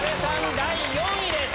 第４位です！